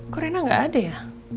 kok rena gak ada ya